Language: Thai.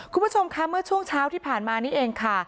คุณผู้ชมค่ะเมื่อช่วงเช้าที่ผ่านมานี่เองค่ะ